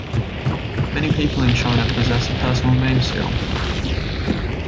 Many people in China possess a personal name seal.